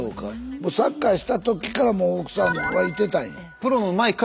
もうサッカーした時からもう奥さんはいてたんや。